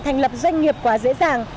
thành lập doanh nghiệp quá dễ dàng